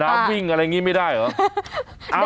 น้ำวิ่งอะไรงี้ไม่ได้เหรอ